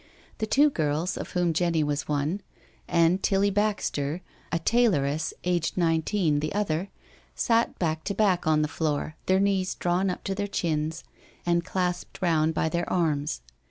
The two girls, of whom Jenny was one, and Tilly Baxter, a tailoress, aged nineteen, the other, sat badk to back on the floor, their knees drawn up to their chins and clasped round by their arms.